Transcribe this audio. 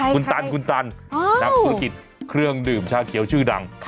คุณตันคุณตันนักธุรกิจเครื่องดื่มชาเขียวชื่อดัง